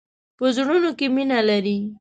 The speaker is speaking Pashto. په زړونو کې مینه لری.